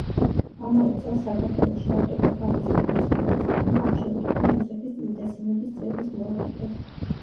ამავე წელს, საქართველოში ავტოკეფალიის გამოცხადების გამო, არჩეულ იქნა რუსეთის წმინდა სინოდის წევრის მოადგილედ.